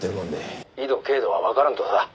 「緯度経度はわからんとさ」